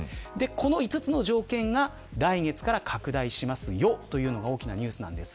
この５つの条件が来月から拡大しますというのが大きなニュースです。